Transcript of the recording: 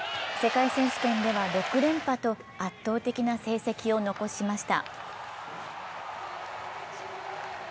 世界選手権では６連覇と圧倒的な成績を残しました。